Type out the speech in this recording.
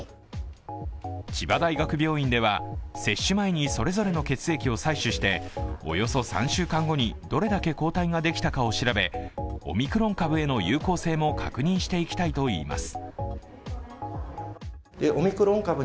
千葉大学病院では、接種前にそれぞれの血液を採取しておよそ３週間後にどれだけ抗体ができたかを調べオミクロン株への有効性も確認していきたいとしています。